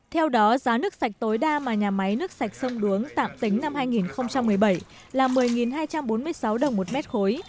theo đó giá nước sạch tối đa mà nhà máy nước sạch sông đuống tạm tính năm hai nghìn một mươi bảy là một mươi hai trăm bốn mươi sáu đồng một mét khối